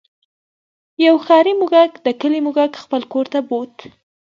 یو ښاري موږک د کلي موږک خپل کور ته بوت.